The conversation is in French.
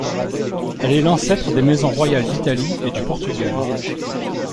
Elle est l'ancêtre des Maisons royales d'Italie et du Portugal.